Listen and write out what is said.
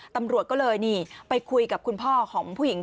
ตำรวจก็เลยนี่ไปคุยกับคุณพ่อของผู้หญิง